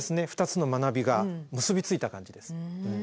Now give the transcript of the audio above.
２つの学びが結び付いた感じです。